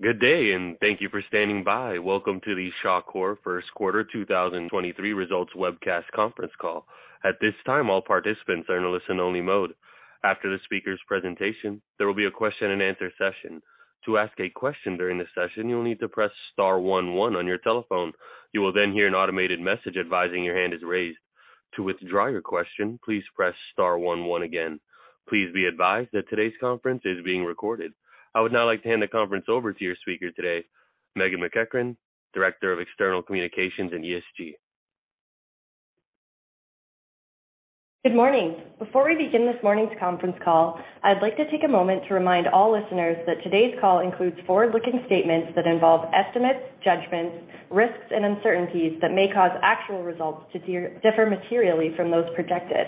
Good day, thank you for standing by. Welcome to the Shawcor first quarter 2023 results webcast conference call. At this time, all participants are in listen only mode. After the speaker's presentation, there will be a question-and-answer session. To ask a question during the session, you'll need to press star one one on your telephone. You will then hear an automated message advising your hand is raised. To withdraw your question, please press star one one again. Please be advised that today's conference is being recorded. I would now like to hand the conference over to your speaker today, Meghan MacEachern, Director of External Communications and ESG. Good morning. Before we begin this morning's conference call, I'd like to take a moment to remind all listeners that today's call includes forward-looking statements that involve estimates, judgments, risks, and uncertainties that may cause actual results to differ materially from those projected.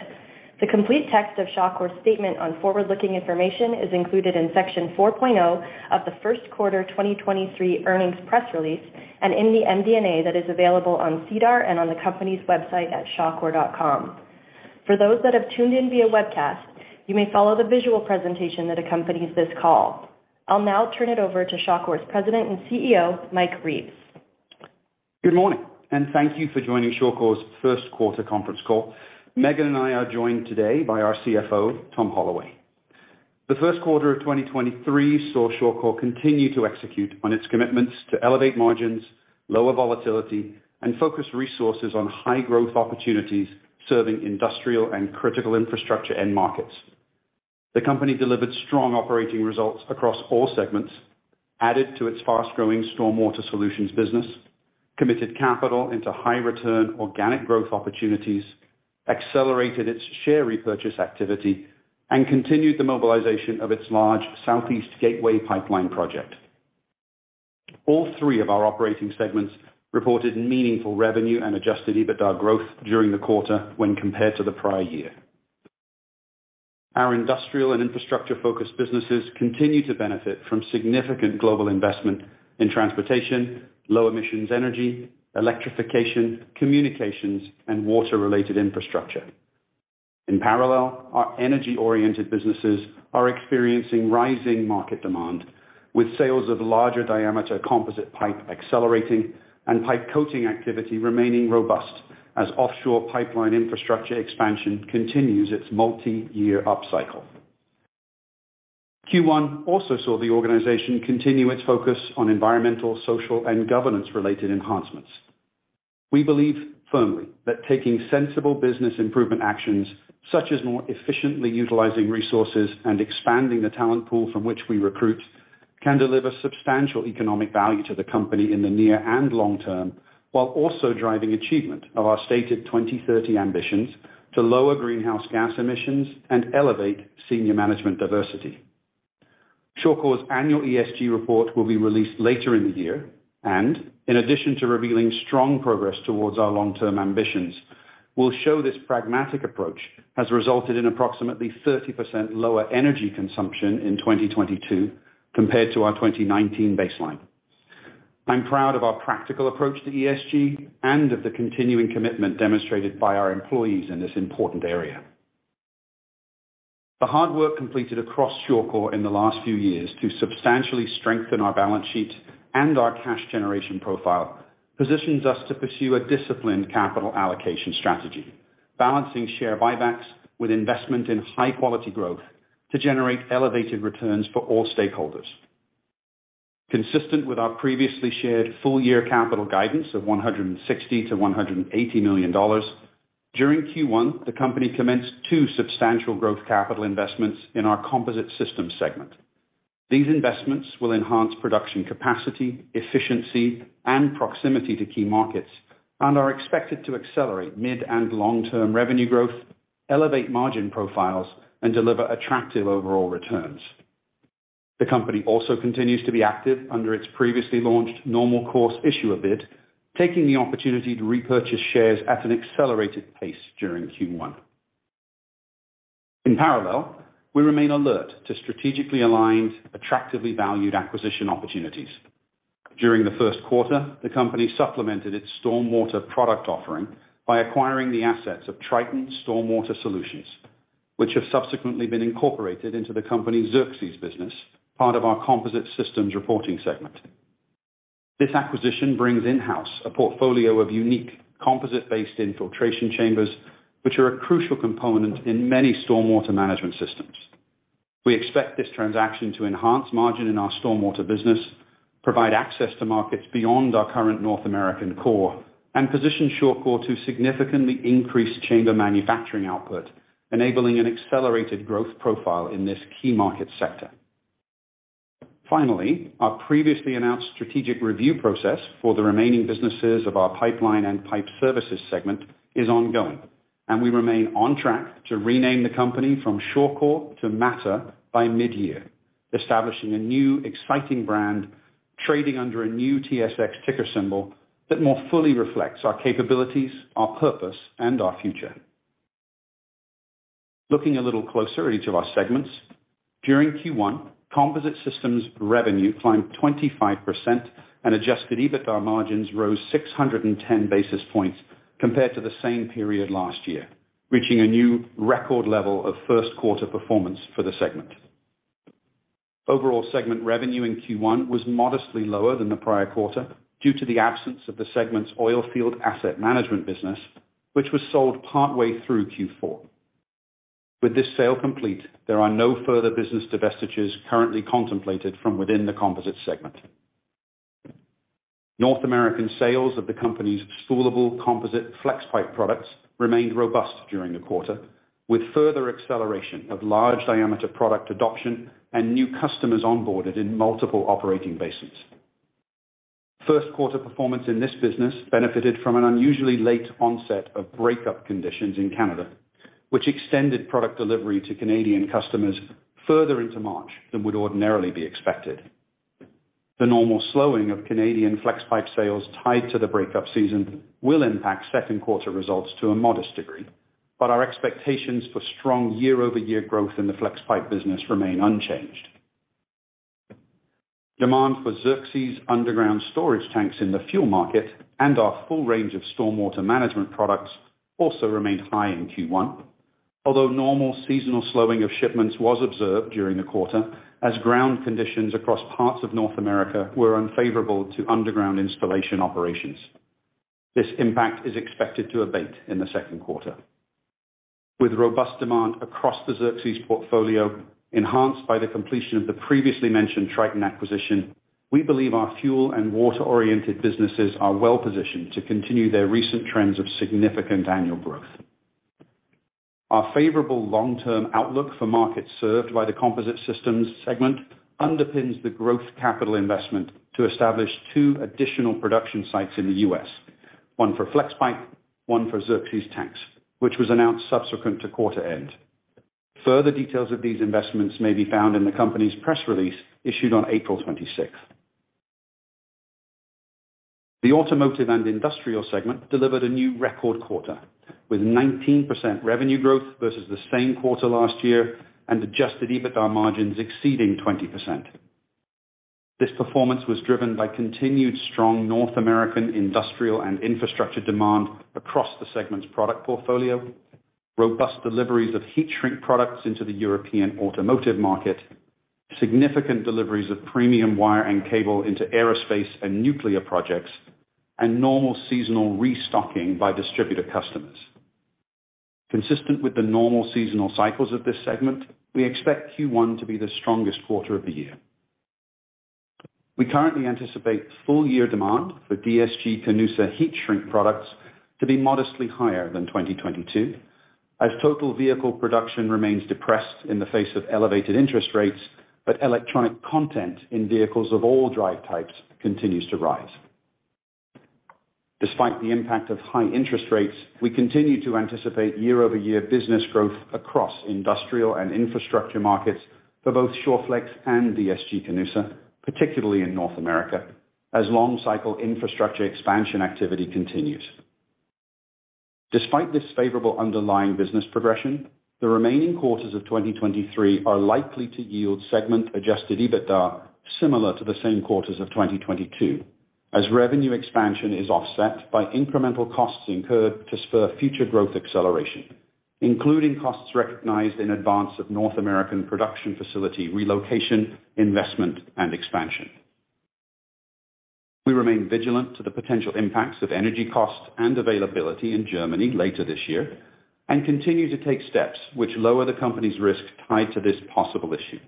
The complete text of Shawcor's statement on forward-looking information is included in section 4.0 of the first quarter 2023 earnings press release, and in the MD&A that is available on SEDAR and on the company's website at shawcor.com. For those that have tuned in via webcast, you may follow the visual presentation that accompanies this call. I'll now turn it over to Shawcor's President and CEO, Mike Reeves. Good morning, and thank you for joining Mattr's first quarter conference call. Meghan and I are joined today by our CFO, Tom Holloway. The first quarter of 2023 saw Mattr continue to execute on its commitments to elevate margins, lower volatility, and focus resources on high-growth opportunities serving industrial and critical infrastructure end markets. The company delivered strong operating results across all segments, added to its fast-growing stormwater solutions business, committed capital into high-return organic growth opportunities, accelerated its share repurchase activity, and continued the mobilization of its large Southeast Gateway Pipeline Project. All three of our operating segments reported meaningful revenue and adjusted EBITDA growth during the quarter when compared to the prior year. Our industrial and infrastructure-focused businesses continue to benefit from significant global investment in transportation, low-emissions energy, electrification, communications, and water-related infrastructure. In parallel, our energy-oriented businesses are experiencing rising market demand, with sales of larger diameter composite pipe accelerating and pipe coating activity remaining robust as offshore pipeline infrastructure expansion continues its multiyear upcycle. Q1 also saw the organization continue its focus on environmental, social, and governance related enhancements. We believe firmly that taking sensible business improvement actions, such as more efficiently utilizing resources and expanding the talent pool from which we recruit, can deliver substantial economic value to the company in the near and long term, while also driving achievement of our stated 2030 ambitions to lower greenhouse gas emissions and elevate senior management diversity. Shawcor's annual ESG report will be released later in the year and in addition to revealing strong progress towards our long-term ambitions, will show this pragmatic approach has resulted in approximately 30% lower energy consumption in 2022 compared to our 2019 baseline. I'm proud of our practical approach to ESG and of the continuing commitment demonstrated by our employees in this important area. The hard work completed across Shawcor in the last few years to substantially strengthen our balance sheet and our cash generation profile positions us to pursue a disciplined capital allocation strategy, balancing share buybacks with investment in high quality growth to generate elevated returns for all stakeholders. Consistent with our previously shared full year capital guidance of 160 million-180 million dollars, during Q1, the company commenced two substantial growth capital investments in our Composite Technologies segment. These investments will enhance production capacity, efficiency, and proximity to key markets and are expected to accelerate mid- and long-term revenue growth, elevate margin profiles, and deliver attractive overall returns. The company also continues to be active under its previously launched Normal Course Issuer Bid, taking the opportunity to repurchase shares at an accelerated pace during Q1. In parallel, we remain alert to strategically aligned, attractively valued acquisition opportunities. During the first quarter, the company supplemented its stormwater product offering by acquiring the assets of Triton Stormwater Solutions, which have subsequently been incorporated into the company's Xerxes business, part of our Composite Technologies reporting segment. This acquisition brings in-house a portfolio of unique composite-based infiltration chambers, which are a crucial component in many stormwater management systems. We expect this transaction to enhance margin in our stormwater business, provide access to markets beyond our current North American core, and position Shawcor to significantly increase chamber manufacturing output, enabling an accelerated growth profile in this key market sector. Finally, our previously announced strategic review process for the remaining businesses of our Pipeline and Pipe Services segment is ongoing, and we remain on track to rename the company from Shawcor to Mattr by mid-year, establishing a new exciting brand, trading under a new TSX ticker symbol that more fully reflects our capabilities, our purpose, and our future. Looking a little closer at each of our segments, during Q1, Composite Technologies revenue climbed 25% and adjusted EBITDA margins rose 610 basis points compared to the same period last year. Reaching a new record level of first quarter performance for the segment. Overall segment revenue in Q1 was modestly lower than the prior quarter due to the absence of the segment's oilfield asset management business, which was sold partway through Q4. With this sale complete, there are no further business divestitures currently contemplated from within the composites segment. North American sales of the company's spoolable composite Flexpipe products remained robust during the quarter, with further acceleration of large diameter product adoption and new customers onboarded in multiple operating bases. First quarter performance in this business benefited from an unusually late onset of breakup conditions in Canada, which extended product delivery to Canadian customers further into March than would ordinarily be expected. The normal slowing of Canadian Flexpipe sales tied to the breakup season will impact second quarter results to a modest degree, our expectations for strong year-over-year growth in the Flexpipe business remain unchanged. Demand for Xerxes underground storage tanks in the fuel market and our full range of stormwater management products also remained high in Q1. Although normal seasonal slowing of shipments was observed during the quarter, as ground conditions across parts of North America were unfavorable to underground installation operations. This impact is expected to abate in the second quarter. With robust demand across the Xerxes portfolio, enhanced by the completion of the previously mentioned Triton acquisition, we believe our fuel and water-oriented businesses are well-positioned to continue their recent trends of significant annual growth. Our favorable long-term outlook for markets served by the Composite Technologies segment underpins the growth capital investment to establish two additional production sites in the U.S., one for Flexpipe, one for Xerxes tanks, which was announced subsequent to quarter end. Further details of these investments may be found in the company's press release issued on April 26th. The Automotive and Industrial segment delivered a new record quarter with 19% revenue growth versus the same quarter last year and adjusted EBITDA margins exceeding 20%. This performance was driven by continued strong North American industrial and infrastructure demand across the segment's product portfolio, robust deliveries of heat shrink products into the European automotive market, significant deliveries of premium wire and cable into aerospace and nuclear projects, and normal seasonal restocking by distributor customers. Consistent with the normal seasonal cycles of this segment, we expect Q1 to be the strongest quarter of the year. We currently anticipate full year demand for DSG-Canusa heat shrink products to be modestly higher than 2022, as total vehicle production remains depressed in the face of elevated interest rates, but electronic content in vehicles of all drive types continues to rise. Despite the impact of high interest rates, we continue to anticipate year-over-year business growth across industrial and infrastructure markets for both Shawflex and DSG-Canusa, particularly in North America, as long-cycle infrastructure expansion activity continues. Despite this favorable underlying business progression, the remaining quarters of 2023 are likely to yield segment-adjusted EBITDA similar to the same quarters of 2022, as revenue expansion is offset by incremental costs incurred to spur future growth acceleration, including costs recognized in advance of North American production facility relocation, investment, and expansion. We remain vigilant to the potential impacts of energy costs and availability in Germany later this year and continue to take steps which lower the company's risk tied to this possible issue.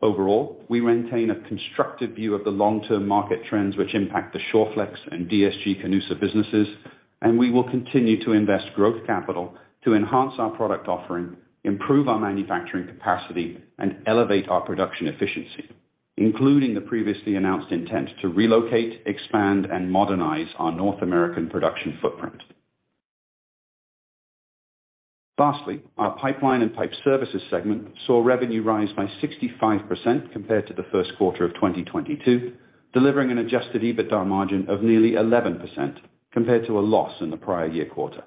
Overall, we maintain a constructive view of the long-term market trends which impact the Shawflex and DSG-Canusa businesses, and we will continue to invest growth capital to enhance our product offering, improve our manufacturing capacity, and elevate our production efficiency, including the previously announced intent to relocate, expand, and modernize our North American production footprint. Our Pipeline and Pipe Services segment saw revenue rise by 65% compared to the first quarter of 2022, delivering an adjusted EBITDA margin of nearly 11% compared to a loss in the prior year quarter.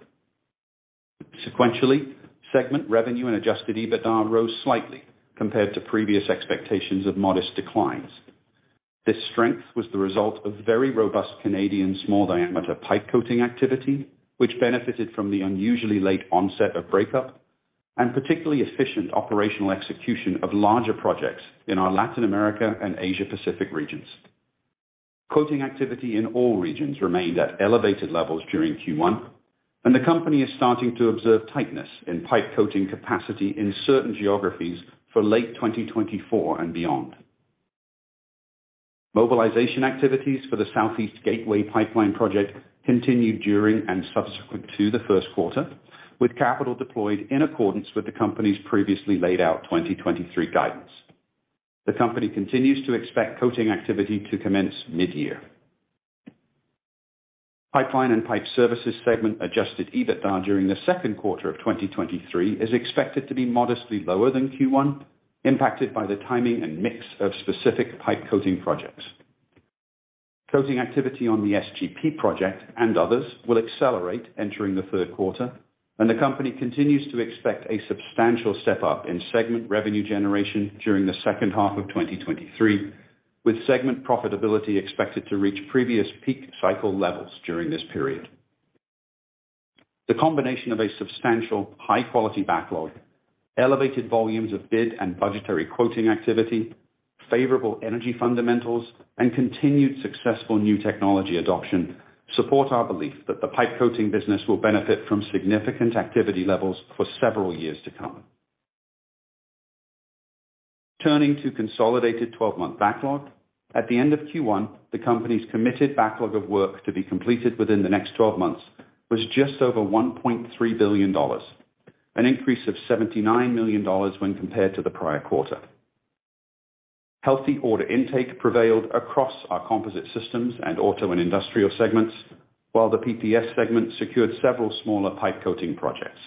Sequentially, segment revenue and adjusted EBITDA rose slightly compared to previous expectations of modest declines. This strength was the result of very robust Canadian small diameter pipe coating activity, which benefited from the unusually late onset of breakup and particularly efficient operational execution of larger projects in our Latin America and Asia Pacific regions. Coating activity in all regions remained at elevated levels during Q1. The company is starting to observe tightness in pipe coating capacity in certain geographies for late 2024 and beyond. Mobilization activities for the Southeast Gateway Pipeline Project continued during and subsequent to the first quarter, with capital deployed in accordance with the company's previously laid out 2023 guidance. The company continues to expect coating activity to commence mid-year. Pipeline and Pipe Services segment adjusted EBITDA during the second quarter of 2023 is expected to be modestly lower than Q1, impacted by the timing and mix of specific pipe coating projects. Coating activity on the SGP project and others will accelerate entering the third quarter. The company continues to expect a substantial step-up in segment revenue generation during the second half of 2023. With segment profitability expected to reach previous peak cycle levels during this period. The combination of a substantial high quality backlog, elevated volumes of bid and budgetary quoting activity, favorable energy fundamentals, and continued successful new technology adoption support our belief that the pipe coating business will benefit from significant activity levels for several years to come. Turning to consolidated 12-month backlog. At the end of Q1, the company's committed backlog of work to be completed within the next 12 months was just over 1.3 billion dollars, an increase of 79 million dollars when compared to the prior quarter. Healthy order intake prevailed across our Composite Technologies and Automotive and Industrial segments, while the PPS segment secured several smaller pipe coating projects.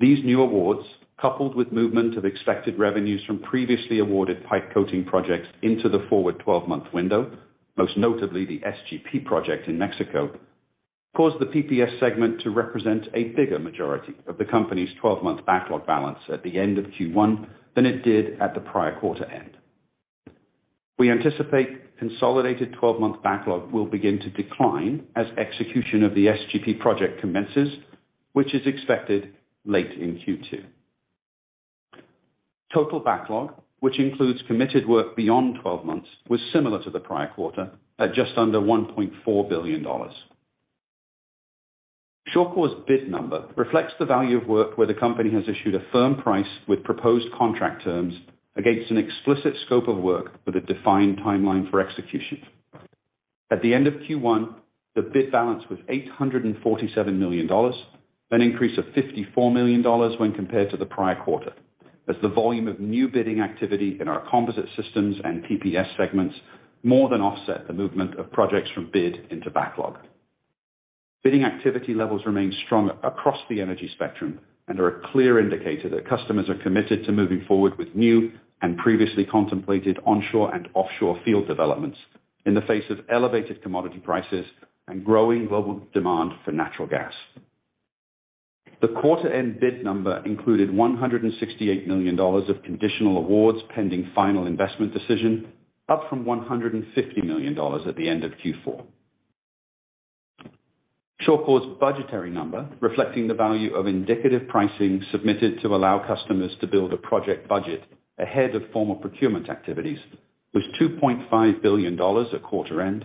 These new awards, coupled with movement of expected revenues from previously awarded pipe coating projects into the forward 12-month window, most notably the SGP project in Mexico, caused the PPS segment to represent a bigger majority of the company's 12-month backlog balance at the end of Q1 than it did at the prior quarter end. We anticipate consolidated 12-month backlog will begin to decline as execution of the SGP project commences, which is expected late in Q2. Total backlog, which includes committed work beyond 12 months, was similar to the prior quarter at just under 1.4 billion dollars. Mattr's bid number reflects the value of work where the company has issued a firm price with proposed contract terms against an explicit scope of work with a defined timeline for execution. At the end of Q1, the bid balance was 847 million dollars, an increase of 54 million dollars when compared to the prior quarter, as the volume of new bidding activity in our Composite Technologies and PPS segments more than offset the movement of projects from bid into backlog. Bidding activity levels remain strong across the energy spectrum and are a clear indicator that customers are committed to moving forward with new and previously contemplated onshore and offshore field developments in the face of elevated commodity prices and growing global demand for natural gas. The quarter end bid number included 168 million dollars of conditional awards pending final investment decision, up from 150 million dollars at the end of Q4. Mattr's budgetary number, reflecting the value of indicative pricing submitted to allow customers to build a project budget ahead of formal procurement activities, was 2.5 billion dollars at quarter end,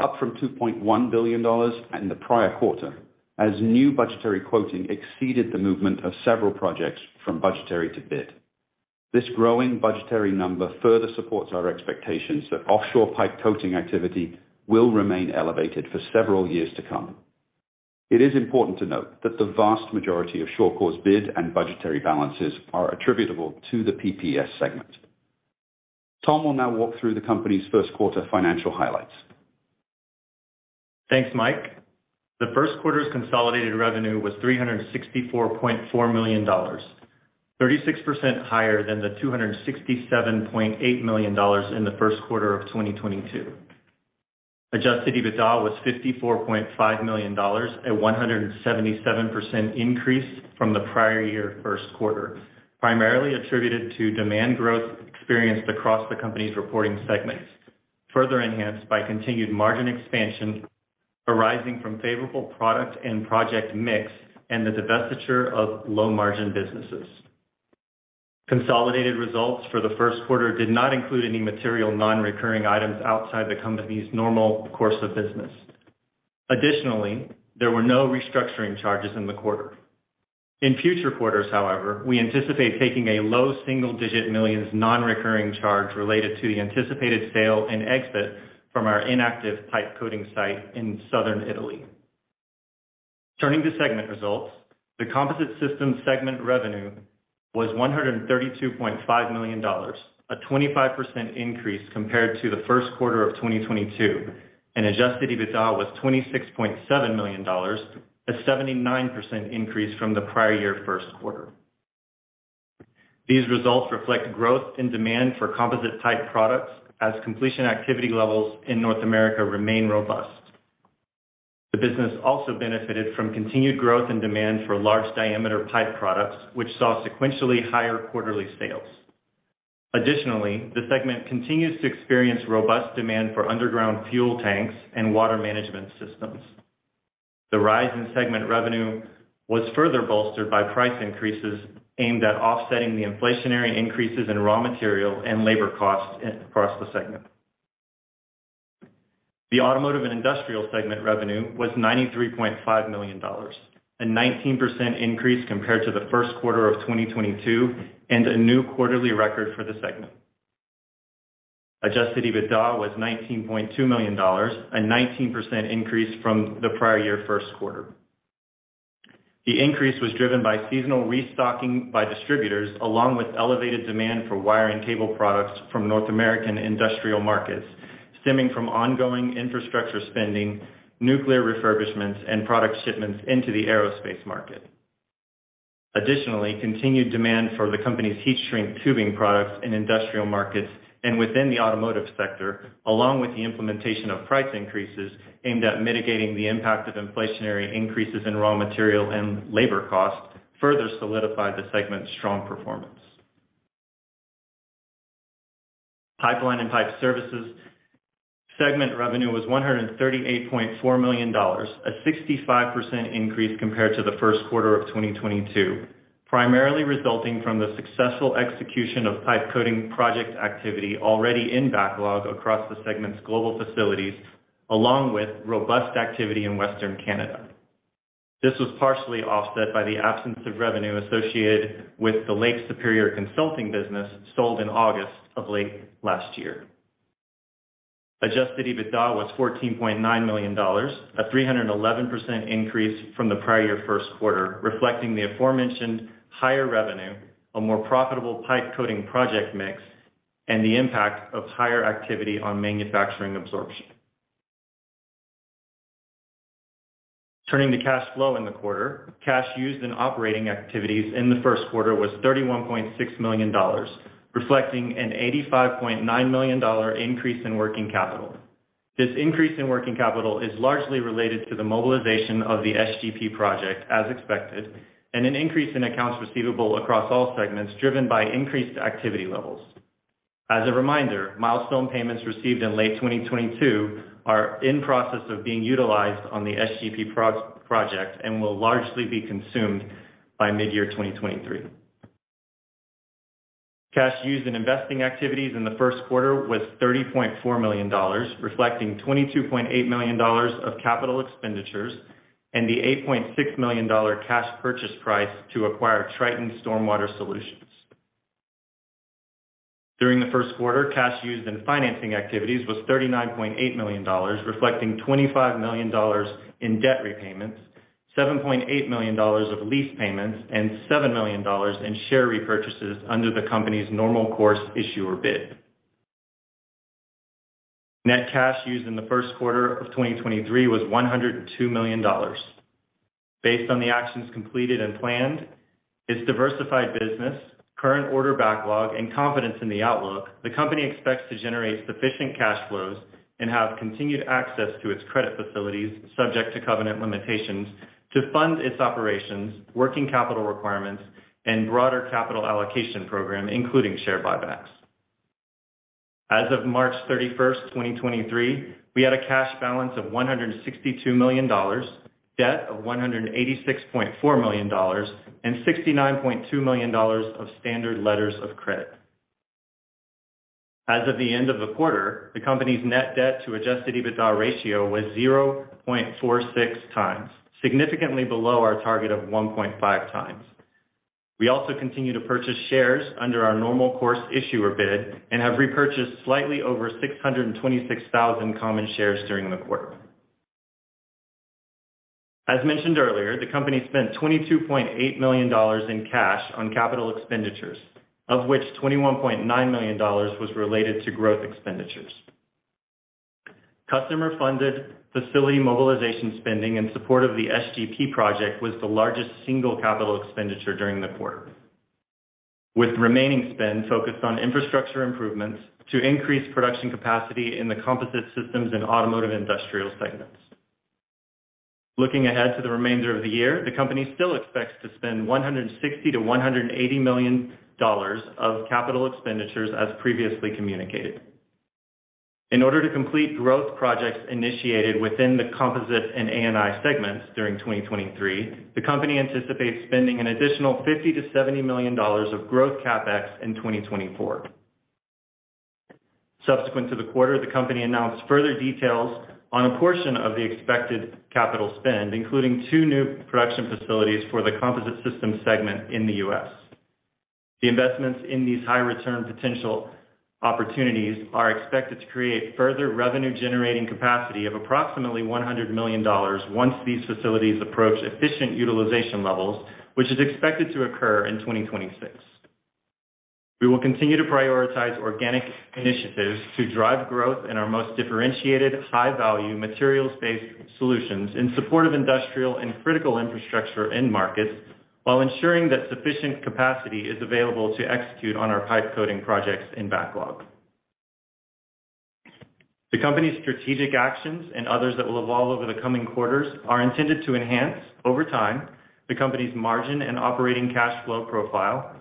up from 2.1 billion dollars in the prior quarter as new budgetary quoting exceeded the movement of several projects from budgetary to bid. This growing budgetary number further supports our expectations that offshore pipe coating activity will remain elevated for several years to come. It is important to note that the vast majority of Mattr's bid and budgetary balances are attributable to the PPS segment. Tom will now walk through the company's first quarter financial highlights. Thanks, Mike. The first quarter's consolidated revenue was 364.4 million dollars, 36% higher than the 267.8 million dollars in the first quarter of 2022. Adjusted EBITDA was 54.5 million dollars, a 177% increase from the prior year first quarter, primarily attributed to demand growth experienced across the company's reporting segments, further enhanced by continued margin expansion arising from favorable product and project mix and the divestiture of low margin businesses. Consolidated results for the first quarter did not include any material non-recurring items outside the company's normal course of business. There were no restructuring charges in the quarter. In future quarters, however, we anticipate taking a low single-digit millions non-recurring charge related to the anticipated sale and exit from our inactive pipe coating site in southern Italy. Turning to segment results. The Composite Technologies segment revenue was 132.5 million dollars, a 25% increase compared to the first quarter of 2022, and adjusted EBITDA was 26.7 million dollars, a 79% increase from the prior year first quarter. These results reflect growth in demand for composite type products as completion activity levels in North America remain robust. The business also benefited from continued growth and demand for large diameter pipe products, which saw sequentially higher quarterly sales. Additionally, the segment continues to experience robust demand for underground fuel tanks and water management systems. The rise in segment revenue was further bolstered by price increases aimed at offsetting the inflationary increases in raw material and labor costs across the segment. The Automotive and Industrial segment revenue was 93.5 million dollars, a 19% increase compared to the first quarter of 2022 and a new quarterly record for the segment. Adjusted EBITDA was 19.2 million dollars, a 19% increase from the prior year first quarter. The increase was driven by seasonal restocking by distributors along with elevated demand for wire and cable products from North American industrial markets, stemming from ongoing infrastructure spending, nuclear refurbishments, and product shipments into the aerospace market. Additionally, continued demand for the company's heat shrink tubing products in industrial markets and within the automotive sector, along with the implementation of price increases aimed at mitigating the impact of inflationary increases in raw material and labor costs further solidify the segment's strong performance. Pipeline and Pipe Services segment revenue was 138.4 million dollars, a 65% increase compared to the first quarter of 2022, primarily resulting from the successful execution of pipe coating project activity already in backlog across the segment's global facilities, along with robust activity in Western Canada. This was partially offset by the absence of revenue associated with the Lake Superior Consulting business sold in August of late last year. Adjusted EBITDA was 14.9 million dollars, a 311% increase from the prior year first quarter, reflecting the aforementioned higher revenue, a more profitable pipe coating project mix, and the impact of higher activity on manufacturing absorption. Turning to cash flow in the quarter. Cash used in operating activities in the first quarter was 31.6 million dollars, reflecting an 85.9 million dollar increase in working capital. This increase in working capital is largely related to the mobilization of the SGP project as expected, and an increase in accounts receivable across all segments driven by increased activity levels. As a reminder, milestone payments received in late 2022 are in process of being utilized on the SGP project and will largely be consumed by mid-year 2023. Cash used in investing activities in the first quarter was 30.4 million dollars, reflecting 22.8 million dollars of capital expenditures and the 8.6 million dollar cash purchase price to acquire Triton Stormwater Solutions. During the first quarter, cash used in financing activities was 39.8 million dollars, reflecting 25 million dollars in debt repayments, 7.8 million dollars of lease payments, and 7 million dollars in share repurchases under the company's Normal Course Issuer Bid. Net cash used in the first quarter of 2023 was 102 million dollars. Based on the actions completed and planned, its diversified business, current order backlog, and confidence in the outlook, the company expects to generate sufficient cash flows and have continued access to its credit facilities subject to covenant limitations to fund its operations, working capital requirements, and broader capital allocation program, including share buybacks. As of March 31st, 2023, we had a cash balance of 162 million dollars, debt of 186.4 million dollars, and 69.2 million dollars of standard letters of credit. As of the end of the quarter, the company's net debt to adjusted EBITDA ratio was 0.46x, significantly below our target of 1.5x. We also continue to purchase shares under our Normal Course Issuer Bid and have repurchased slightly over 626,000 common shares during the quarter. As mentioned earlier, the company spent 22.8 million dollars in cash on capital expenditures, of which 21.9 million dollars was related to growth expenditures. Customer-funded facility mobilization spending in support of the SGP project was the largest single capital expenditure during the quarter, with remaining spend focused on infrastructure improvements to increase production capacity in the Composite Technologies and Automotive Industrial segments. Looking ahead to the remainder of the year, the company still expects to spend 160 million-180 million dollars of capital expenditures as previously communicated. In order to complete growth projects initiated within the Composite and ANI segments during 2023, the company anticipates spending an additional 50 million-70 million dollars of growth CapEx in 2024. Subsequent to the quarter, the company announced further details on a portion of the expected capital spend, including two new production facilities for the Composite Technologies segment in the U.S. The investments in these high-return potential opportunities are expected to create further revenue generating capacity of approximately 100 million dollars once these facilities approach efficient utilization levels, which is expected to occur in 2026. We will continue to prioritize organic initiatives to drive growth in our most differentiated high-value materials-based solutions in support of industrial and critical infrastructure end markets while ensuring that sufficient capacity is available to execute on our pipe coating projects in backlog. The company's strategic actions and others that will evolve over the coming quarters are intended to enhance, over time, the company's margin and operating cash flow profile,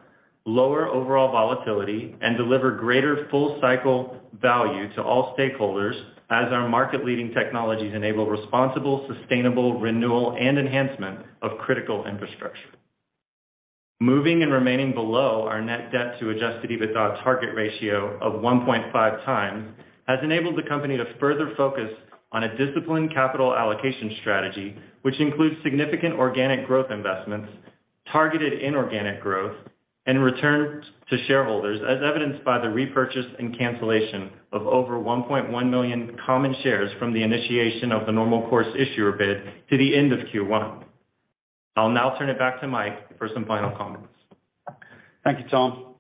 lower overall volatility, and deliver greater full cycle value to all stakeholders as our market-leading technologies enable responsible, sustainable renewal, and enhancement of critical infrastructure. Moving and remaining below our net debt to adjusted EBITDA target ratio of 1.5x has enabled the company to further focus on a disciplined capital allocation strategy, which includes significant organic growth investments, targeted inorganic growth, and return to shareholders, as evidenced by the repurchase and cancellation of over 1.1 million common shares from the initiation of the normal course issuer bid to the end of Q1. I'll now turn it back to Mike for some final comments. Thank you, Tom.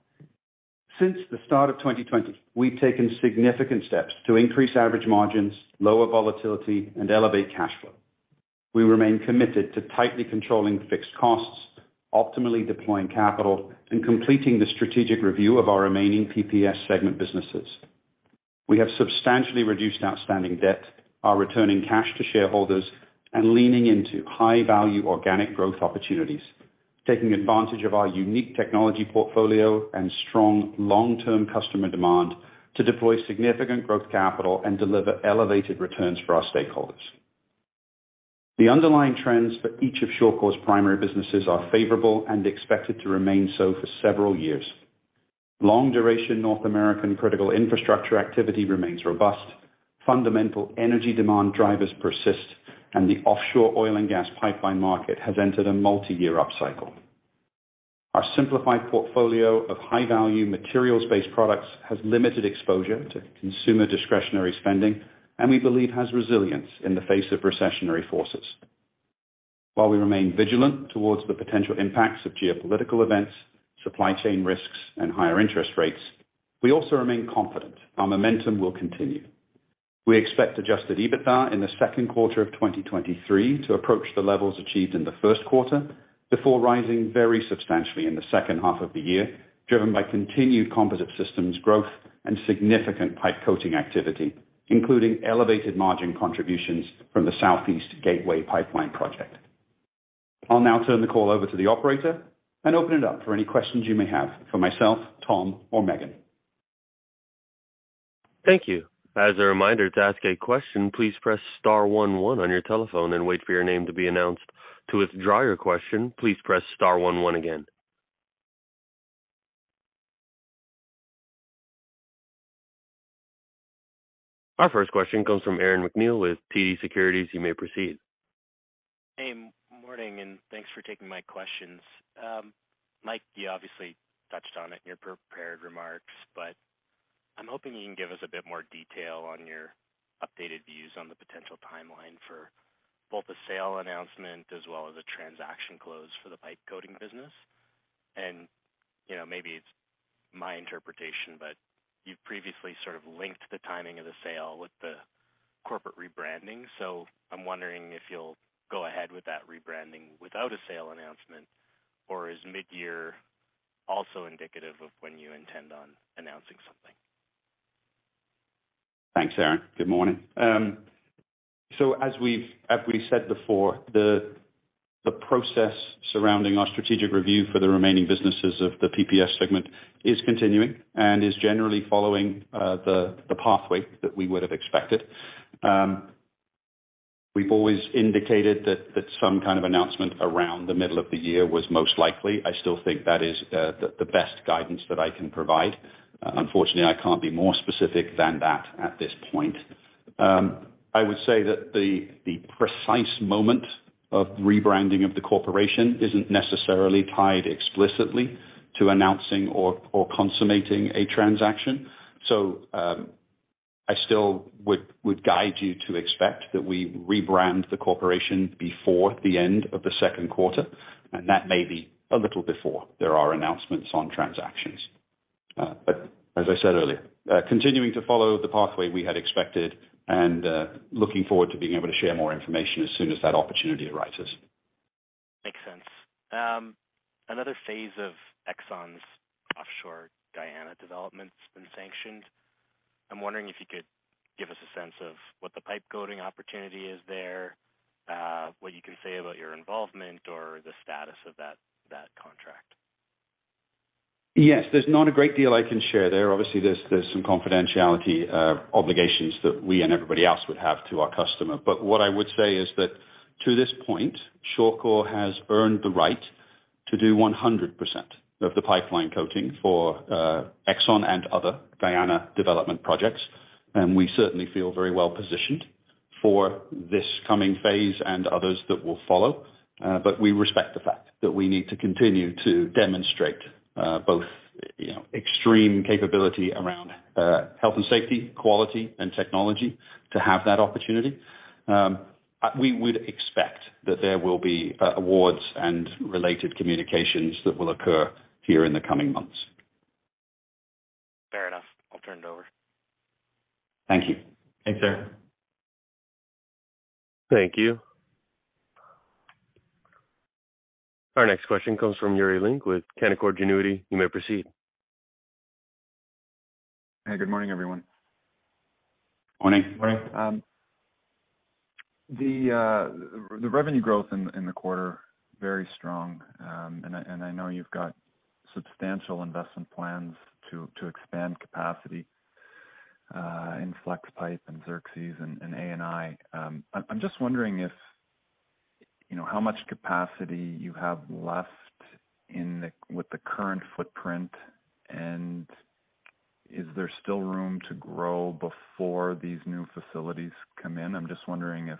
Since the start of 2020, we've taken significant steps to increase average margins, lower volatility, and elevate cash flow. We remain committed to tightly controlling fixed costs, optimally deploying capital, and completing the strategic review of our remaining PPS segment businesses. We have substantially reduced outstanding debt, are returning cash to shareholders, and leaning into high-value organic growth opportunities, taking advantage of our unique technology portfolio and strong long-term customer demand to deploy significant growth capital and deliver elevated returns for our stakeholders. The underlying trends for each of Mattr's primary businesses are favorable and expected to remain so for several years. Long duration North American critical infrastructure activity remains robust. Fundamental energy demand drivers persist. The offshore oil and gas pipeline market has entered a multi-year upcycle. Our simplified portfolio of high-value materials-based products has limited exposure to consumer discretionary spending, and we believe has resilience in the face of recessionary forces. While we remain vigilant towards the potential impacts of geopolitical events, supply chain risks, and higher interest rates, we also remain confident our momentum will continue. We expect adjusted EBITDA in the second quarter of 2023 to approach the levels achieved in the first quarter before rising very substantially in the second half of the year, driven by continued Composite Technologies growth and significant pipe coating activity, including elevated margin contributions from the Southeast Gateway Pipeline Project. I'll now turn the call over to the operator and open it up for any questions you may have for myself, Tom, or Meghan. Thank you. As a reminder, to ask a question, please press star one one on your telephone and wait for your name to be announced. To withdraw your question, please press star one one again. Our first question comes from Aaron MacNeil with TD Securities. You may proceed. Hey, morning, thanks for taking my questions. Mike, you obviously touched on it in your prepared remarks, but I'm hoping you can give us a bit more detail on your updated views on the potential timeline for both the sale announcement as well as a transaction close for the pipe coating business. You know, maybe it's my interpretation, but you've previously sort of linked the timing of the sale with the corporate rebranding. I'm wondering if you'll go ahead with that rebranding without a sale announcement, or is mid-year also indicative of when you intend on announcing something? Thanks, Aaron. Good morning. As we said before, the process surrounding our strategic review for the remaining businesses of the PPS segment is continuing and is generally following the pathway that we would have expected. We've always indicated that some kind of announcement around the middle of the year was most likely. I still think that is the best guidance that I can provide. Unfortunately, I can't be more specific than that at this point. I would say that the precise moment of rebranding of the corporation isn't necessarily tied explicitly to announcing or consummating a transaction. I still would guide you to expect that we rebrand the corporation before the end of the second quarter, and that may be a little before there are announcements on transactions. As I said earlier, continuing to follow the pathway we had expected and looking forward to being able to share more information as soon as that opportunity arises. Makes sense. Another phase of Exxon's offshore Guyana development's been sanctioned. I'm wondering if you could give us a sense of what the pipe coating opportunity is there, what you can say about your involvement or the status of that contract? Yes. There's not a great deal I can share there. Obviously, there's some confidentiality obligations that we and everybody else would have to our customer. What I would say is that to this point, Shawcor has earned the right to do 100% of the pipeline coating for Exxon and other Guyana development projects. We certainly feel very well positioned for this coming phase and others that will follow. We respect the fact that we need to continue to demonstrate, both, you know, extreme capability around health and safety, quality and technology to have that opportunity. We would expect that there will be awards and related communications that will occur here in the coming months. Fair enough. I'll turn it over. Thank you. Thanks, Aaron. Thank you. Our next question comes from Yuri Lynk with Canaccord Genuity. You may proceed. Hey, good morning, everyone. Morning. Morning. The revenue growth in the quarter, very strong. I know you've got substantial investment plans to expand capacity in Flexpipe and Xerxes and A&I. I'm just wondering if you know how much capacity you have left with the current footprint, and is there still room to grow before these new facilities come in? I'm just wondering if,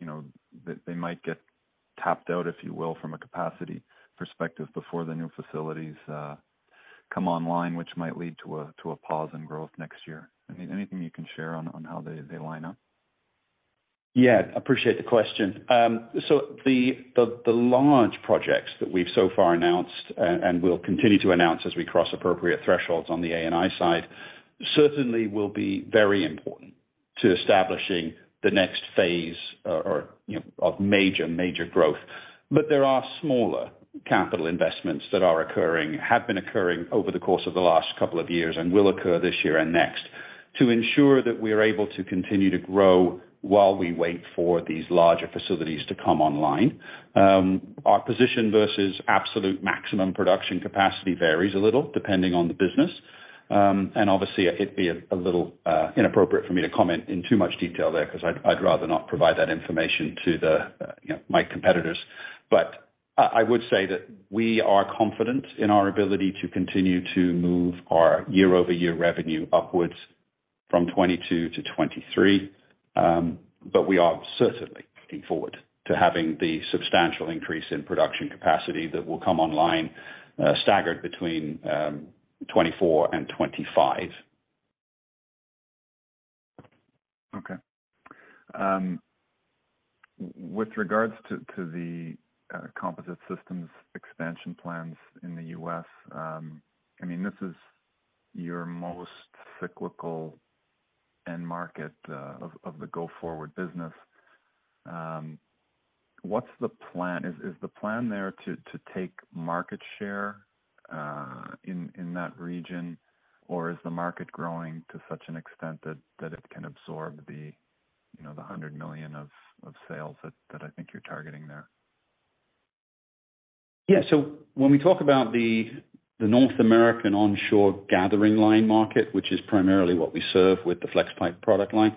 you know, they might get tapped out, if you will, from a capacity perspective before the new facilities come online, which might lead to a pause in growth next year. I mean, anything you can share on how they line up? Yeah, appreciate the question. The large projects that we've so far announced and will continue to announce as we cross appropriate thresholds on the A&I side certainly will be very important to establishing the next phase, or, you know, of major growth. There are smaller capital investments that are occurring, have been occurring over the course of the last two years and will occur this year and next to ensure that we are able to continue to grow while we wait for these larger facilities to come online. Our position versus absolute maximum production capacity varies a little depending on the business. Obviously it'd be a little inappropriate for me to comment in too much detail there because I'd rather not provide that information to the, you know, my competitors. I would say that we are confident in our ability to continue to move our year-over-year revenue upwards from 2022 to 2023, but we are certainly looking forward to having the substantial increase in production capacity that will come online, staggered between 2024 and 2025. With regards to the Composite Technologies expansion plans in the US, I mean, this is your most cyclical end market of the go-forward business. What's the plan? Is the plan there to take market share in that region? Or is the market growing to such an extent that it can absorb the, you know, the 100 million of sales that I think you're targeting there? When we talk about the North American onshore gathering line market, which is primarily what we serve with the Flexpipe product line,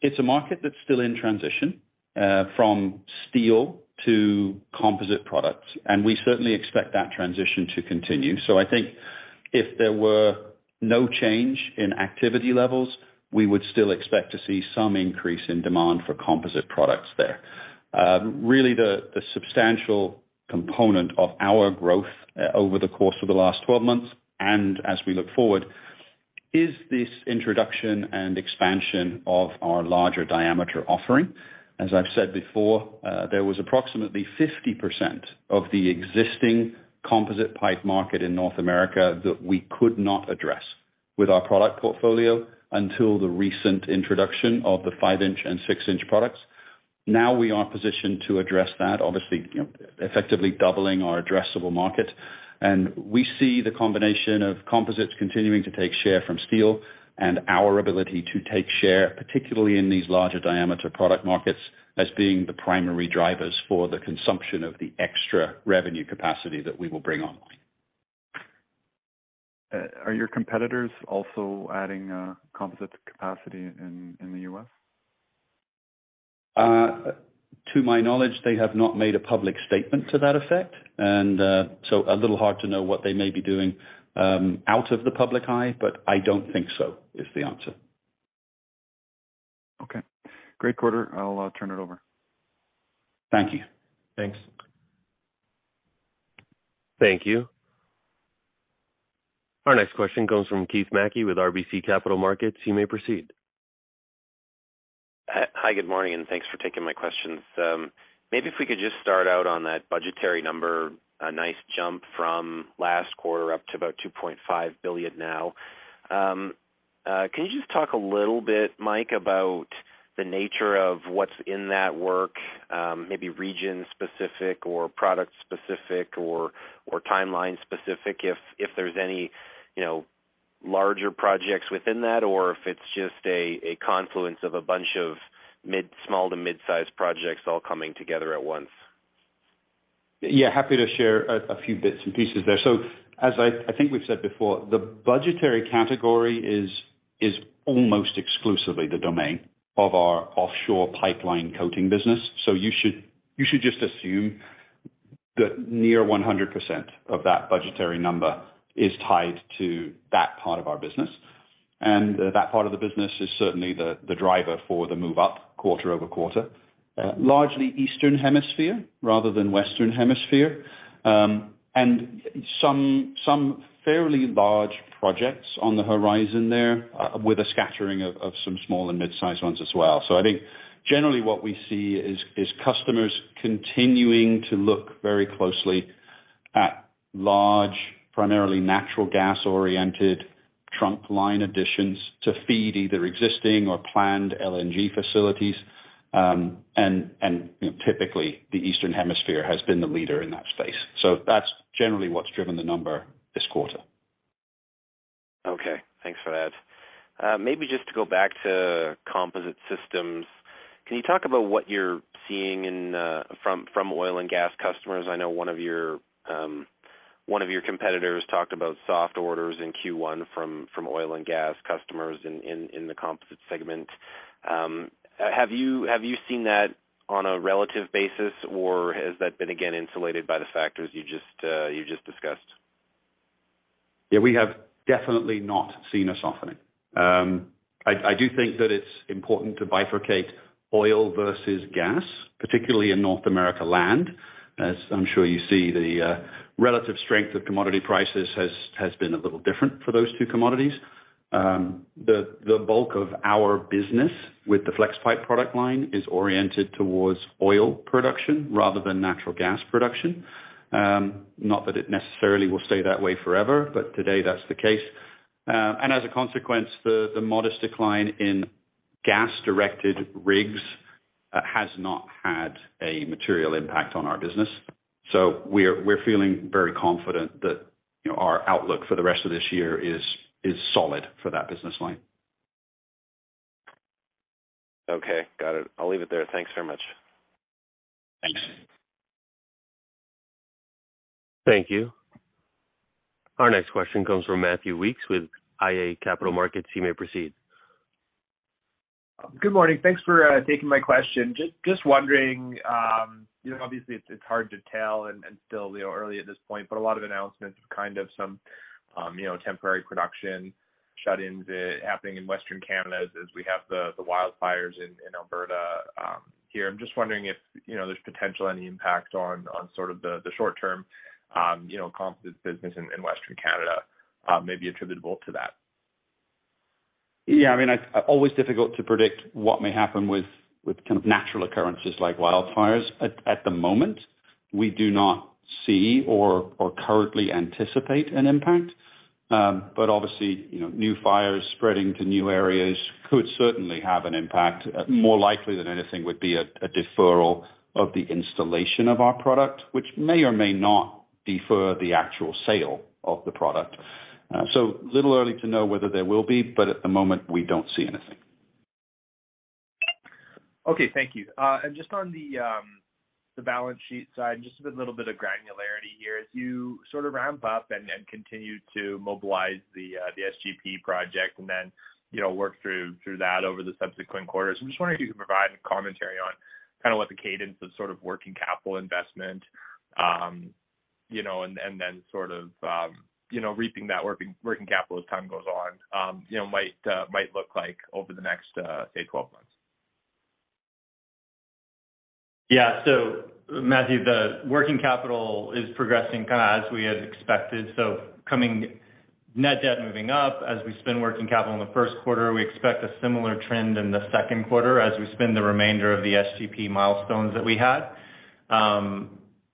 it's a market that's still in transition from steel to composite products, and we certainly expect that transition to continue. I think if there were no change in activity levels, we would still expect to see some increase in demand for composite products there. Really the substantial component of our growth over the course of the last 12 months and as we look forward is this introduction and expansion of our larger diameter offering. As I've said before, there was approximately 50% of the existing composite pipe market in North America that we could not address with our product portfolio until the recent introduction of the five-inch and six-inch products. Now we are positioned to address that, obviously, you know, effectively doubling our addressable market. We see the combination of composites continuing to take share from steel and our ability to take share, particularly in these larger diameter product markets, as being the primary drivers for the consumption of the extra revenue capacity that we will bring online. Are your competitors also adding composite capacity in the U.S.? To my knowledge, they have not made a public statement to that effect. A little hard to know what they may be doing out of the public eye, but I don't think so is the answer. Okay. Great quarter. I'll turn it over. Thank you. Thanks. Thank you. Our next question comes from Keith Mackey with RBC Capital Markets. You may proceed. Hi, good morning, and thanks for taking my questions. Maybe if we could just start out on that budgetary number, a nice jump from last quarter up to about 2.5 billion now. Can you just talk a little bit, Mike, about the nature of what's in that work, maybe region-specific or product-specific or timeline-specific, if there's any, you know, larger projects within that, or if it's just a confluence of a bunch of small to mid-sized projects all coming together at once? Happy to share a few bits and pieces there. As I think we've said before, the budgetary category is almost exclusively the domain of our offshore pipeline coating business. You should just assume that near 100% of that budgetary number is tied to that part of our business. That part of the business is certainly the driver for the move up quarter-over-quarter. Largely Eastern Hemisphere rather than Western Hemisphere. And some fairly large projects on the horizon there with a scattering of some small and mid-sized ones as well. I think generally what we see is customers continuing to look very closely at large, primarily natural gas-oriented trunk line additions to feed either existing or planned LNG facilities. You know, typically the Eastern Hemisphere has been the leader in that space. That's generally what's driven the number this quarter. Okay. Thanks for that. Maybe just to go back to Composite Technologies. Can you talk about what you're seeing in from oil and gas customers? I know one of your one of your competitors talked about soft orders in Q1 from oil and gas customers in the composite segment. Have you seen that on a relative basis, or has that been again insulated by the factors you just discussed? We have definitely not seen a softening. I do think that it's important to bifurcate oil versus gas, particularly in North America land. As I'm sure you see, the relative strength of commodity prices has been a little different for those two commodities. The bulk of our business with the Flexpipe product line is oriented towards oil production rather than natural gas production. Not that it necessarily will stay that way forever, but today that's the case. As a consequence, the modest decline in gas-directed rigs has not had a material impact on our business. We're, we're feeling very confident that, you know, our outlook for the rest of this year is solid for that business line. Okay, got it. I'll leave it there. Thanks very much. Thanks. Thank you. Our next question comes from Matthew Weekes with iA Capital Markets. You may proceed. Good morning. Thanks for taking my question. Just wondering, you know, obviously it's hard to tell and still, you know, early at this point, but a lot of announcements of kind of some, you know, temporary production shut-ins happening in Western Canada as we have the wildfires in Alberta here. I'm just wondering if, you know, there's potential any impact on sort of the short term, you know, composite business in Western Canada may be attributable to that. I mean, it's always difficult to predict what may happen with kind of natural occurrences like wildfires. At the moment, we do not see or currently anticipate an impact. Obviously, you know, new fires spreading to new areas could certainly have an impact. More likely than anything would be a deferral of the installation of our product, which may or may not defer the actual sale of the product. Little early to know whether there will be, but at the moment we don't see anything. Okay. Thank you. Just on the balance sheet side, just a little bit of granularity here. As you sort of ramp up and then continue to mobilize the SGP project and then, you know, work through that over the subsequent quarters, I'm just wondering if you can provide any commentary on kind of what the cadence of sort of working capital investment, you know, and then sort of, you know, reaping that working capital as time goes on, you know, might look like over the next, say, 12 months. Matthew, the working capital is progressing kind of as we had expected. Coming net debt moving up as we spend working capital in the first quarter, we expect a similar trend in the second quarter as we spend the remainder of the SGP milestones that we had.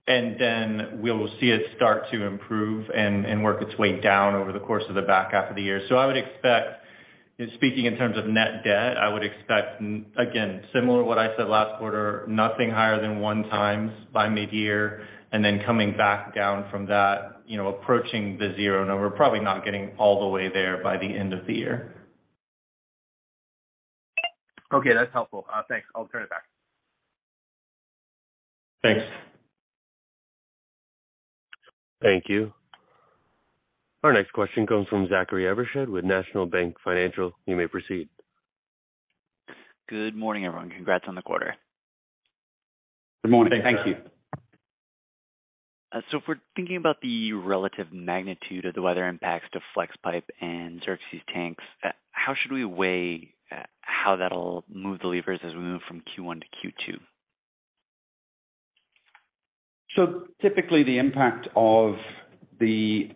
We'll see it start to improve and work its way down over the course of the back half of the year. I would expect, speaking in terms of net debt, I would expect, again, similar to what I said last quarter, nothing higher than 1x by mid-year, coming back down from that, you know, approaching the zero number, probably not getting all the way there by the end of the year. Okay. That's helpful. Thanks. I'll turn it back. Thanks. Thank you. Our next question comes from Zachary Evershed with National Bank Financial. You may proceed. Good morning, everyone. Congrats on the quarter. Good morning. Thank you. Thanks. If we're thinking about the relative magnitude of the weather impacts to Flexpipe and Xerxes tanks, how should we weigh, how that'll move the levers as we move from Q1 to Q2? Typically the impact of the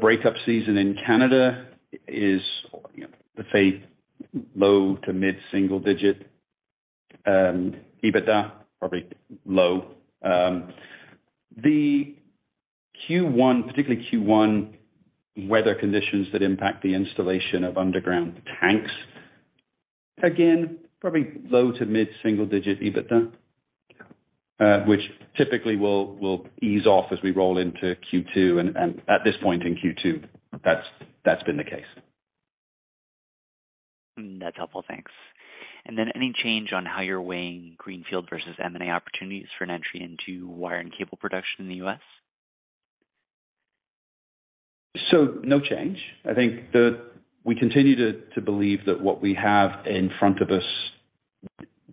breakup season in Canada is, you know, let's say low to mid single-digit EBITDA, probably low. The Q1, particularly Q1 weather conditions that impact the installation of underground tanks, again, probably low to mid single-digit EBITDA, which typically will ease off as we roll into Q2. At this point in Q2, that's been the case. That's helpful. Thanks. Any change on how you're weighing greenfield versus M&A opportunities for an entry into wire and cable production in the U.S.? No change. I think we continue to believe that what we have in front of us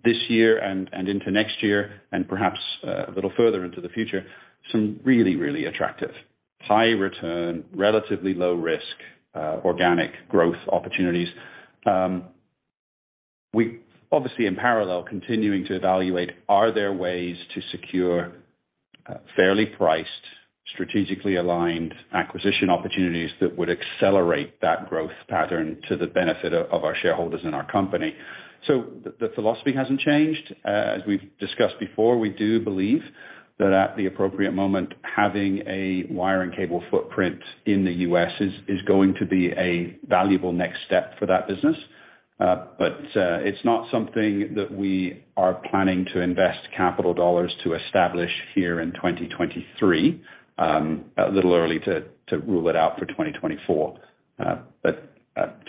this year and into next year and perhaps a little further into the future, some really, really attractive high-return, relatively low risk organic growth opportunities. We obviously in parallel continuing to evaluate are there ways to secure fairly priced, strategically aligned acquisition opportunities that would accelerate that growth pattern to the benefit of our shareholders and our company. The philosophy hasn't changed. As we've discussed before, we do believe that at the appropriate moment, having a wire and cable footprint in the U.S. is going to be a valuable next step for that business. It's not something that we are planning to invest capital dollars to establish here in 2023. A little early to rule it out for 2024.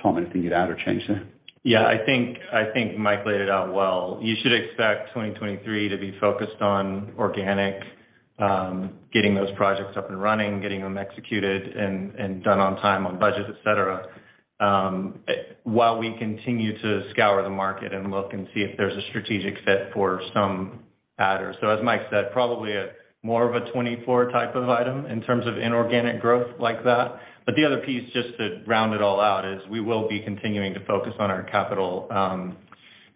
Tom, anything to add or change there? I think Mike laid it out well. You should expect 2023 to be focused on organic, getting those projects up and running, getting them executed and done on time, on budget, et cetera, while we continue to scour the market and look and see if there's a strategic fit for some adders. As Mike said, probably a more of a 24 type of item in terms of inorganic growth like that. The other piece, just to round it all out, is we will be continuing to focus on our capital,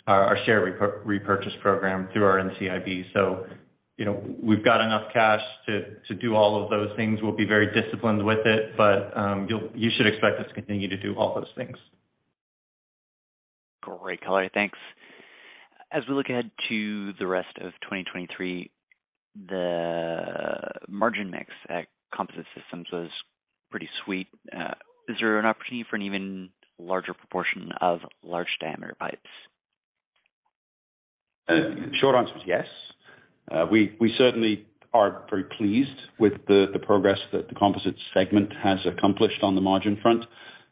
our share repurchase program through our NCIB. You know, we've got enough cash to do all of those things. We'll be very disciplined with it, but you should expect us to continue to do all those things. Great, clearly. Thanks. As we look ahead to the rest of 2023, the margin mix at Composite Technologies was pretty sweet. Is there an opportunity for an even larger proportion of large diameter pipes? Short answer is yes. We certainly are very pleased with the progress that the composites segment has accomplished on the margin front,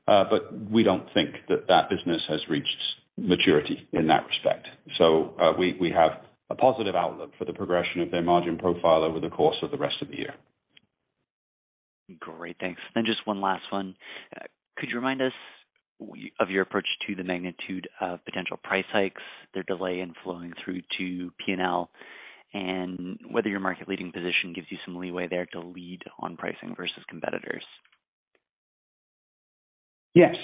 but we don't think that business has reached maturity in that respect. We have a positive outlook for the progression of their margin profile over the course of the rest of the year. Great. Thanks. Just one last one. Could you remind us of your approach to the magnitude of potential price hikes, their delay in flowing through to PNL, and whether your market leading position gives you some leeway there to lead on pricing versus competitors? Yes.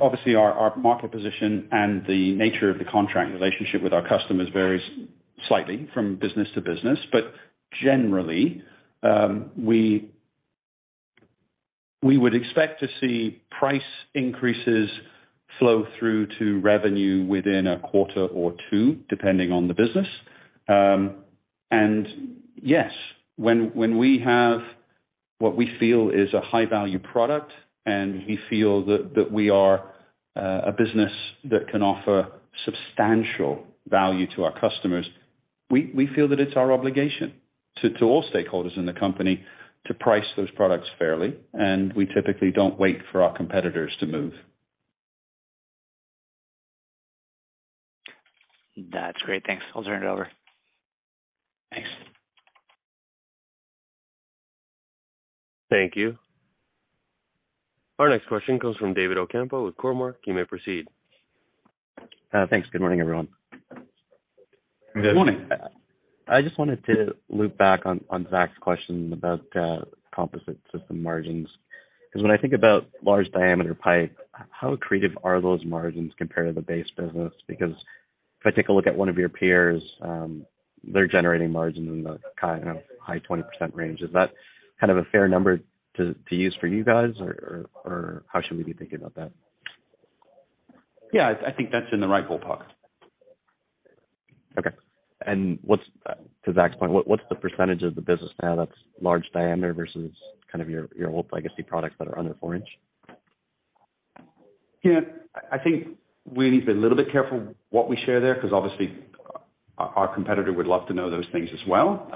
Obviously, our market position and the nature of the contract relationship with our customers varies slightly from business to business. Generally, we would expect to see price increases flow through to revenue within a quarter or two, depending on the business. Yes, when we have what we feel is a high-value product and we feel that we are a business that can offer substantial value to our customers, we feel that it's our obligation to all stakeholders in the company to price those products fairly, and we typically don't wait for our competitors to move. That's great. Thanks. I'll turn it over. Thanks. Thank you. Our next question comes from David Ocampo with Cormark. You may proceed. Thanks. Good morning, everyone. Good morning. I just wanted to loop back on Zach's question about composite system margins, because when I think about large diameter pipe, how accretive are those margins compared to the base business? If I take a look at one of your peers, they're generating margin in the kind of high 20% range. Is that kind of a fair number to use for you guys? Or how should we be thinking about that? Yeah, I think that's in the right ballpark. Okay. What's to Zach's point, what's the % of the business now that's large diameter versus kind of your old legacy products that are under four-inch? I think we need to be a little bit careful what we share there, because obviously our competitor would love to know those things as well.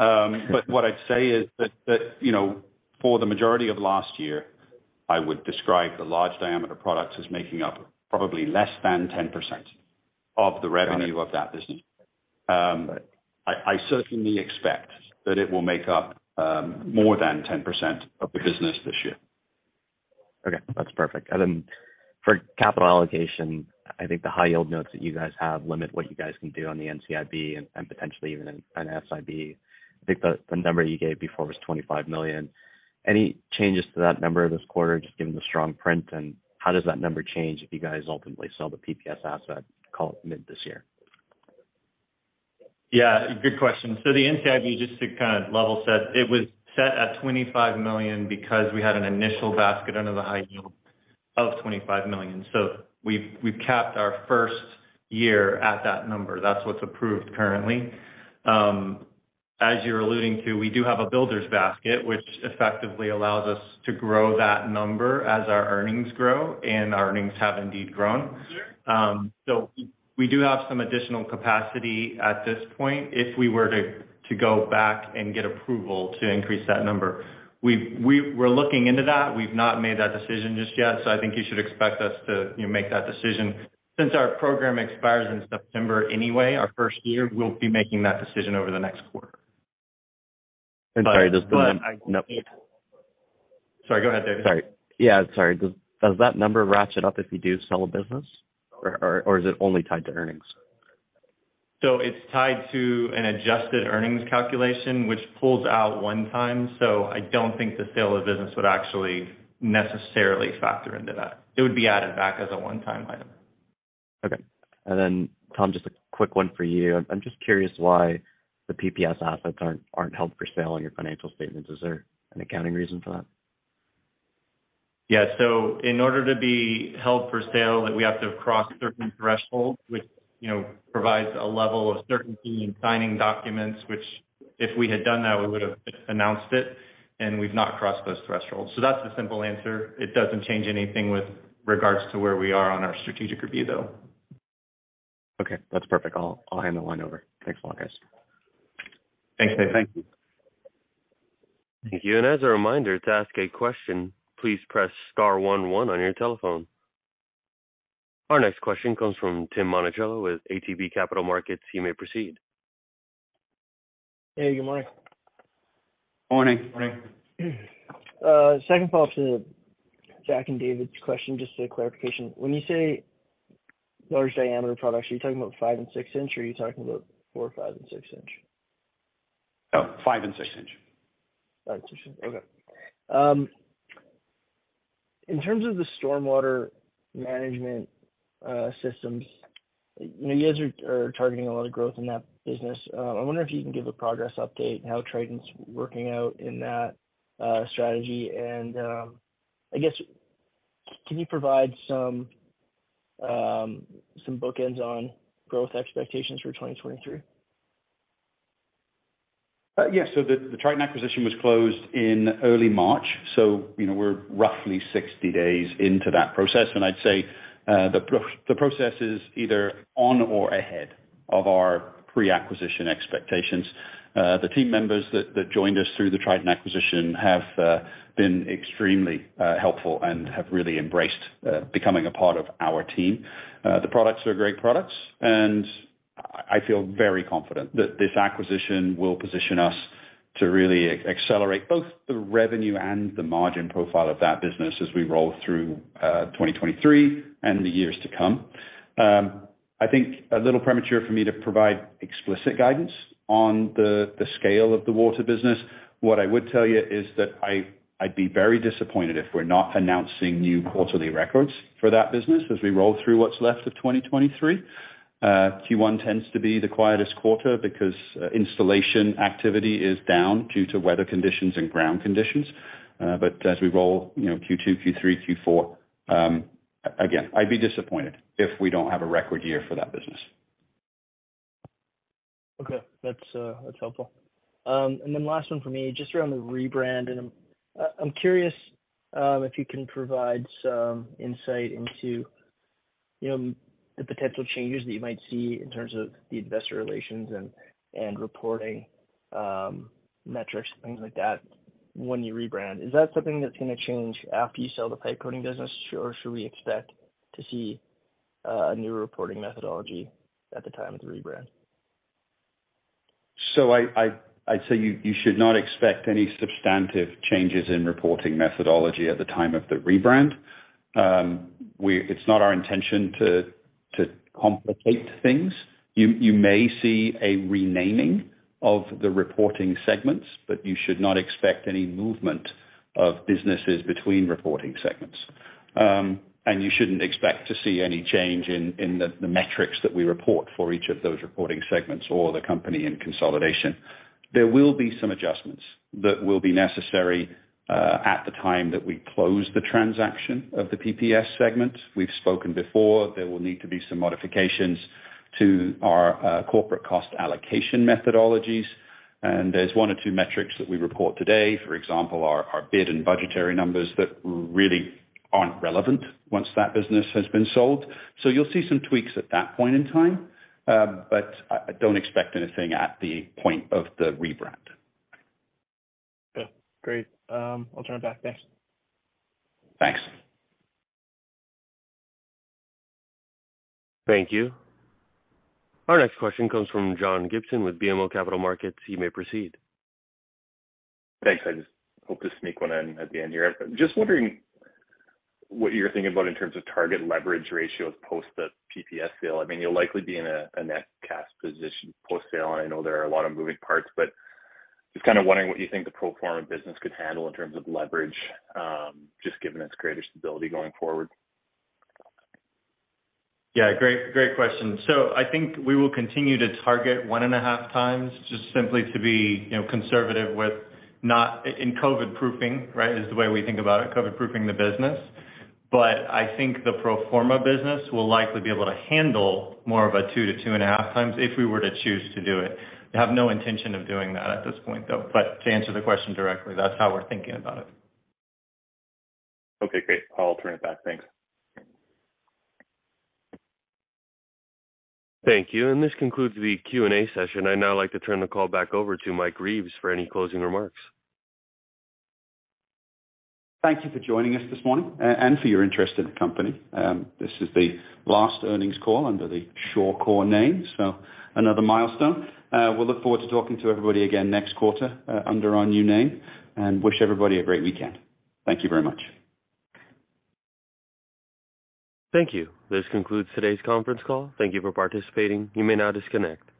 What I'd say is that, you know, for the majority of last year, I would describe the large diameter products as making up probably less than 10% of the revenue of that business. I certainly expect that it will make up more than 10% of the business this year. Okay, that's perfect. For capital allocation, I think the high yield notes that you guys have limit what you guys can do on the NCIB and potentially even an SIB. I think the number you gave before was 25 million. Any changes to that number this quarter just given the strong print? How does that number change if you guys ultimately sell the PPS asset mid this year? Yeah, good question. The NCIB, just to kind of level set, it was set at 25 million because we had an initial basket under the high yield of 25 million. We've capped our first year at that number. That's what's approved currently. As you're alluding to, we do have a builder's basket, which effectively allows us to grow that number as our earnings grow, and our earnings have indeed grown. We do have some additional capacity at this point if we were to go back and get approval to increase that number. We're looking into that. We've not made that decision just yet, so I think you should expect us to, you know, make that decision. Since our program expires in September anyway, our first year, we'll be making that decision over the next quarter. I'm sorry. I No. Sorry, go ahead, David. Sorry. Yeah, sorry. Does that number ratchet up if you do sell a business or is it only tied to earnings? It's tied to an adjusted earnings calculation, which pulls out one-time. I don't think the sale of business would actually necessarily factor into that. It would be added back as a one-time item. Okay. Then Tom, just a quick one for you. I'm just curious why the PPS assets aren't held for sale on your financial statements. Is there an accounting reason for that? Yeah. In order to be held for sale, like we have to cross certain thresholds which, you know, provides a level of certainty in signing documents, which if we had done that, we would have announced it, and we've not crossed those thresholds. That's the simple answer. It doesn't change anything with regards to where we are on our strategic review, though. Okay, that's perfect. I'll hand the line over. Thanks a lot, guys. Thanks, Dave. Thank you. Thank you. As a reminder, to ask a question, please press star one one on your telephone. Our next question comes from Tim Monachello with ATB Capital Markets. You may proceed. Hey, good morning. Morning. Morning. Second follow-up to Zach and David's question, just a clarification. When you say large diameter products, are you talking about five- and six-inch or are you talking about four-, five-, and six-inch? No, five- and six-inch. five- and six-inch. Okay. In terms of the stormwater management systems, you guys are targeting a lot of growth in that business. I wonder if you can give a progress update how Triton's working out in that strategy and I guess, can you provide some bookends on growth expectations for 2023? Yes. The Triton acquisition was closed in early March, you know, we're roughly 60 days into that process, and I'd say the process is either on or ahead of our pre-acquisition expectations. The team members that joined us through the Triton acquisition have been extremely helpful and have really embraced becoming a part of our team. The products are great products, and I feel very confident that this acquisition will position us to really accelerate both the revenue and the margin profile of that business as we roll through 2023 and the years to come. I think a little premature for me to provide explicit guidance on the scale of the water business. What I would tell you is that I'd be very disappointed if we're not announcing new quarterly records for that business as we roll through what's left of 2023. Q1 tends to be the quietest quarter because installation activity is down due to weather conditions and ground conditions. As we roll, you know, Q2, Q3, Q4, again, I'd be disappointed if we don't have a record year for that business. Okay. That's helpful. Then last one for me, just around the rebrand. I'm curious, if you can provide some insight into, you know, the potential changes that you might see in terms of the investor relations and reporting metrics and things like that when you rebrand. Is that something that's gonna change after you sell the pipe coating business, or should we expect to see a new reporting methodology at the time of the rebrand? I'd say you should not expect any substantive changes in reporting methodology at the time of the rebrand. It's not our intention to complicate things. You may see a renaming of the reporting segments, but you should not expect any movement of businesses between reporting segments. You shouldn't expect to see any change in the metrics that we report for each of those reporting segments or the company in consolidation. There will be some adjustments that will be necessary at the time that we close the transaction of the PPS segment. We've spoken before. There will need to be some modifications to our corporate cost allocation methodologies, and there's one or two metrics that we report today, for example, our bid and budgetary numbers, that really aren't relevant once that business has been sold. You'll see some tweaks at that point in time, but I don't expect anything at the point of the rebrand. Okay. Great. I'll turn it back. Thanks. Thanks. Thank you. Our next question comes from John Gibson with BMO Capital Markets. You may proceed. Thanks. I just hope to sneak one in at the end here. Just wondering what you're thinking about in terms of target leverage ratios post the PPS sale. I mean, you'll likely be in a net cash position post-sale. I know there are a lot of moving parts, but just kinda wondering what you think the pro forma business could handle in terms of leverage, just given its greater stability going forward. Yeah. Great question. I think we will continue to target 1.5 times just simply to be, you know, conservative with in COVID-proofing, right, is the way we think about it, COVID-proofing the business. I think the pro forma business will likely be able to handle more of a 2x-2.5x if we were to choose to do it. We have no intention of doing that at this point, though. To answer the question directly, that's how we're thinking about it. Okay. Great. I'll turn it back. Thanks. Thank you. This concludes the Q&A session. I'd now like to turn the call back over to Mike Reeves for any closing remarks. Thank you for joining us this morning, and for your interest in the company. This is the last earnings call under the Shawcor name, another milestone. We'll look forward to talking to everybody again next quarter, under our new name, and wish everybody a great weekend. Thank you very much. Thank you. This concludes today's conference call. Thank you for participating. You may now disconnect.